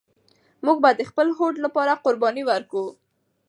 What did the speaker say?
موږ به د خپل هوډ لپاره قرباني ورکوو.